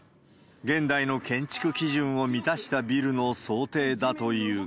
現代の建築基準を満たしたビルの想定だというが。